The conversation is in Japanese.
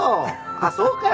あっそうか。